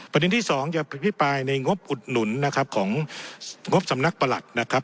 ประเด็นที่๒จะพิพายในงบอุดหนุนนะครับของงบสำนักประหลักนะครับ